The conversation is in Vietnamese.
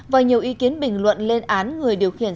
và nhiều ý kiến bình luận lên án người điều khiển